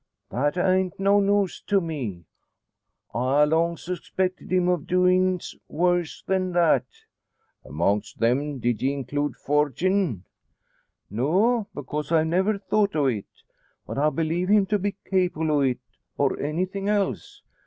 "That an't no news to me, I ha' long suspected him o' doin's worse than that." "Amongst them did ye include forgin'?" "No; because I never thought o' it. But I believe him to be capable o' it, or anything else.